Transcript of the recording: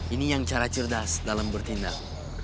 ini yang cara cerdas dalam bertindak